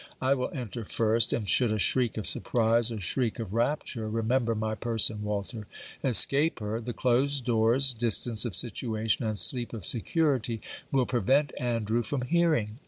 I will enter first; and, should a shriek of surprise or shriek of rapture (remember my person, Walter) escape her, the closed doors, distance of situation, and sleep of security, will prevent Andrew from hearing.